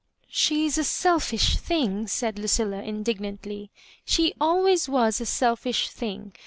"She is a selfish thing," said Lucilla. indig nantly; "she always was a selfish thing.